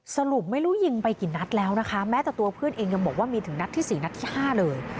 สรุปไม่รู้ยิงไปกี่นัดแล้วนะคะแม้แต่ตัวเพื่อนเองยังบอกว่ามีถึงนัดที่๔นัดที่๕เลย